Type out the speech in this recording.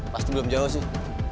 pasti belum jauh sih